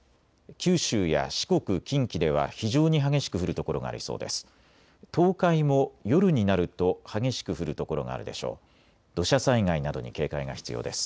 九州や四国、近畿では非常に激しく降る所がありそうです。